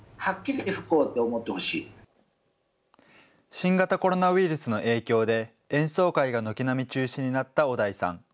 新型コロナウイルスの影響で、演奏会が軒並み中止になった小田井さん。